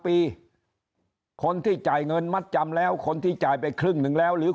ปีคนที่จ่ายเงินมัดจำแล้วคนที่จ่ายไปครึ่งหนึ่งแล้วหรือ